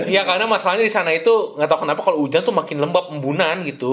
iya karena masalahnya disana itu gak tau kenapa kalo hujan tuh makin lembab embunan gitu